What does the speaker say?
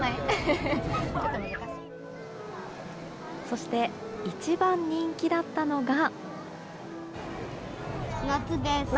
そして一番人気だったのが。